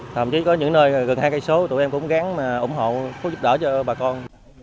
thậm chí có những nơi gần hai km tụi em cũng gắn ủng hộ phúc giúp đỡ cho bà con